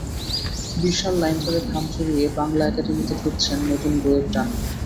বিশাল line ধরে ঘাম ঝরিয়ে বাংলা একাডেমিতে ঢুকছেন নতুন বইয়ের টানে।